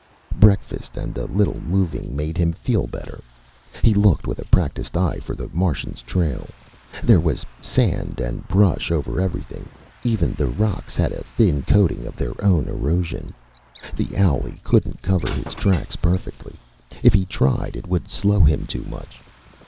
Breakfast and a little moving made him feel better. He looked with a practiced eye for the Martian's trail. There was sand and brush over everything, even the rocks had a thin coating of their own erosion. The owlie couldn't cover his tracks perfectly if he tried, it would slow him too much.